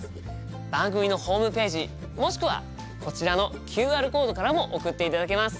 番組のホームページもしくはこちらのＱＲコードからも送っていただけます。